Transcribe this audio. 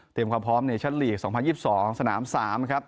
ความพร้อมในชั้นลีก๒๐๒๒สนาม๓นะครับ